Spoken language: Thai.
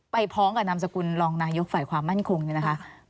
พร้อมกับนามสกุลรองนายกฝ่ายความมั่นคงเนี่ยนะคะ